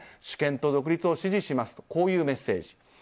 主権と独立を支持しますというメッセージ。